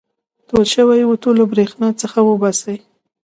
تود شوی اوتو له برېښنا څخه وباسئ.